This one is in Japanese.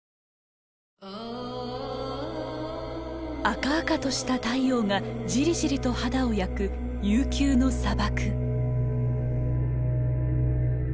赤々とした太陽がじりじりと肌を焼く悠久の砂漠。